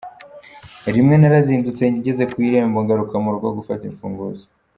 Rimwe narazindutse ngeze ku irembo ngaruka mu rugo gufata imfunguzo.